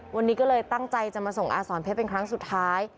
วันนี้ก็เลยตั้งใจจะมาส่งอาสอนเพชรเป็นครั้งสุดท้าย